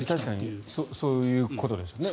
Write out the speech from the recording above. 確かにそういうことですよね。